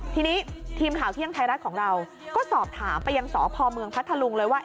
ทีนี้ทีมข่าวเที่ยงไทยรัฐของเราก็สอบถามไปยังสพเมืองพัทธลุงเลยว่า